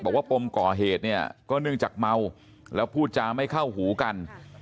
ปมก่อเหตุเนี่ยก็เนื่องจากเมาแล้วพูดจาไม่เข้าหูกัน